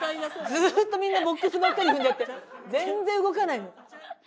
ずっとみんなボックスばっかり踏んじゃって全然動かないの。